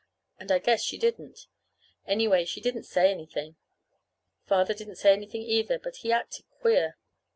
And I guess she didn't. Anyway, she didn't say anything. Father didn't say anything either, but he acted queer.